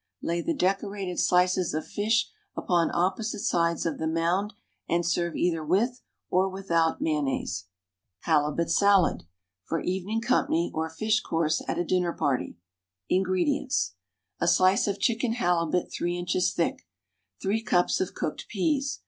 Lay the decorated slices of fish upon opposite sides of the mound, and serve either with or without mayonnaise. =Halibut Salad.= (For evening company, or fish course at a dinner party.) INGREDIENTS. A slice of chicken halibut, 3 inches thick. 3 cups of cooked peas.